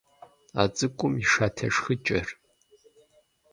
А цӏыкӏум и шатэ шхыкӏэр.